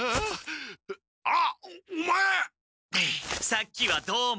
さっきはどうも。